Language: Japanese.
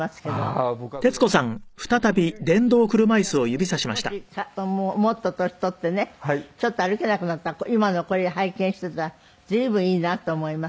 私もしもっと年取ってねちょっと歩けなくなったら今のこれ拝見してたら随分いいなと思います。